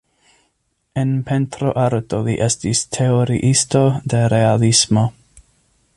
En pentroarto li estis teoriisto de realismo.